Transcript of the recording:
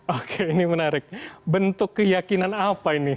oke ini menarik bentuk keyakinan apa ini